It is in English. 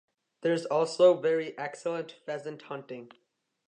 There is also very excellent pheasant hunting.